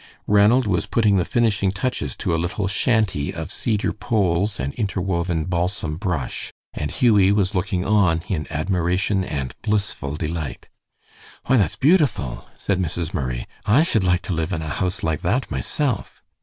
Ranald was putting the finishing touches to a little shanty of cedar poles and interwoven balsam brush, and Hughie was looking on in admiration and blissful delight. "Why, that's beautiful," said Mrs. Murray; "I should like to live in a house like that myself."